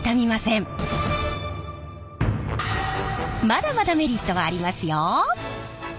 まだまだメリットはありますよ！